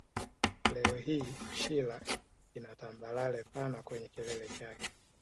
Leo hii Shira ina tambarare pana kwenye kilele chake